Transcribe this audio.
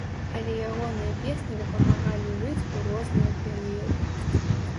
Але ягоныя песні дапамагалі жыць у розныя перыяды.